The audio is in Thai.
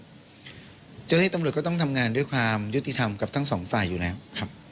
เจ้าหน้าที่ตำรวจก็ต้องทำงานด้วยความยุติธรรมกับทั้งสองฝ่ายอยู่แล้วครับ